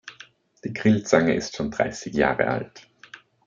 Die Grillzange ist schon dreißig Jahre alt.